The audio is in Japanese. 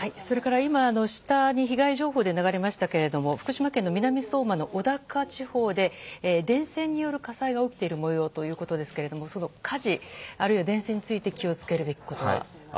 それから今、下に被害情報が流れましたが福島県の南相馬のおだか地方で電線による火災が起きている模様ということですが火事、あるいは電線について気を付けるべきことは。